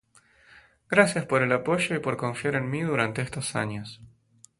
Gracias por el apoyo y por confiar en mi durante estos años.